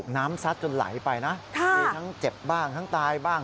ซัดจนไหลไปนะมีทั้งเจ็บบ้างทั้งตายบ้าง